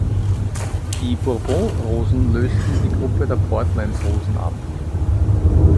Die Bourbon-Rosen lösten die Gruppe der Portland-Rosen ab.